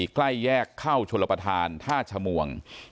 ใกล้แยกเข้าชลประธานท่าชมวง